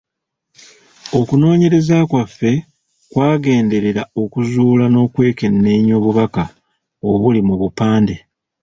Okunoonyereza kwaffe kwagenderera okuzuula n’okwekenneenya obubaka obuli mu bupande.